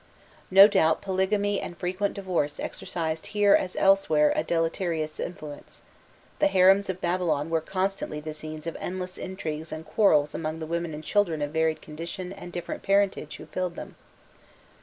No doubt polygamy and frequently divorce exercised here as elsewhere a deleterious influence; the harems of Babylon were constantly the scenes of endless intrigues and quarrels among the women and children of varied condition and different parentage who filled them.